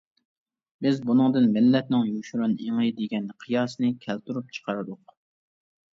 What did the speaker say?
بىز بۇنىڭدىن مىللەتنىڭ يوشۇرۇن ئېڭى دېگەن قىياسنى كەلتۈرۈپ چىقاردۇق.